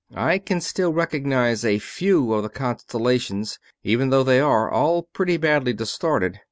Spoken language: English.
I can still recognize a few of the constellations, even though they are all pretty badly distorted.